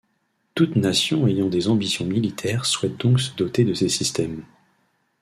Toute nation ayant des ambitions militaires souhaite donc se doter de ces systèmes.